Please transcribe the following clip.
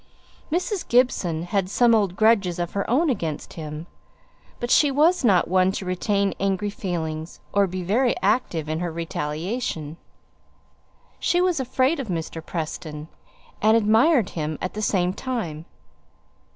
Mrs. Gibson had some old grudges of her own against him, but she was not one to retain angry feelings, or be very active in her retaliation; she was afraid of Mr. Preston, and admired him at the same time.